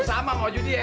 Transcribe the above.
sama mau judi ya